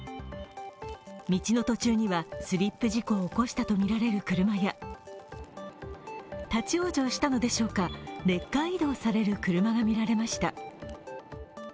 道の途中には、スリップ事故を起こしたとみられる車や立往生したのでしょうか、レッカー移動される車が見られました。